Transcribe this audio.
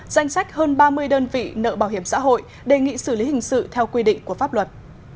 danh sách hơn ba mươi đơn vị nợ bảo hiểm xã hội đề nghị xử lý hình sự theo quy định của pháp luật